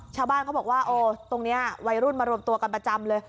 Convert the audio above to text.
ชาวบ้านเขาบอกว่าโอ้ตรงนี้วัยรุ่นมารวมตัวกันประจำเลย